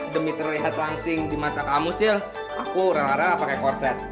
demi terlihat langsing di mata kamu sih aku rela rela pakai korset